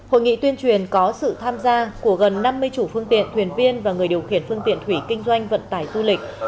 hội nghị tuyên truyền có sự tham gia của gần năm mươi chủ phương tiện thuyền viên và người điều khiển phương tiện thủy kinh doanh vận tải du lịch